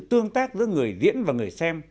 tương tác giữa người diễn và người xem